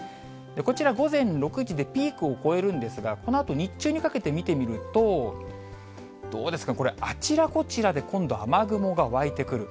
こちら、午前６時でピークを超えるんですが、このあと日中にかけて見てみると、どうですか、これ、あちらこちらで今度、雨雲が湧いてくる。